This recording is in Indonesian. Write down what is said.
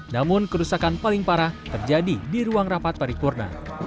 namun kerusakan paling parah terjadi di ruang rapat paripurna